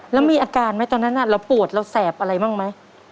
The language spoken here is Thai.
แล้วมีอาการไหมตอนนั้นเราปวดเราแสบอะไรบ้างไหม